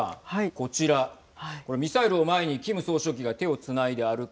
こちらミサイルを前にキム総書記が手をつないで歩く